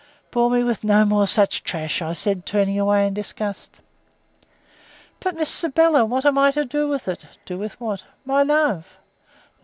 "Bore me with no more such trash," I said, turning away in disgust. "But, Miss Sybylla, what am I to do with it?" "Do with what?" "My love."